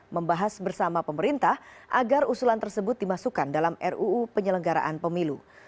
membahas bersama pemerintah agar usulan tersebut dimasukkan dalam ruu penyelenggaraan pemilu